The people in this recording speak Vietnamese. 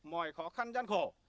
mọi khó khăn gian khổ